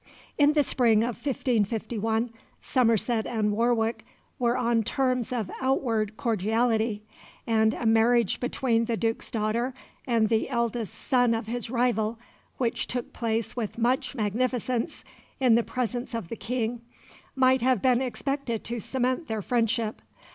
In the spring of 1551 Somerset and Warwick were on terms of outward cordiality, and a marriage between the Duke's daughter and the eldest son of his rival, which took place with much magnificence in the presence of the King, might have been expected to cement their friendship.